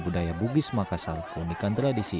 budaya bugis makasal unikan tradisi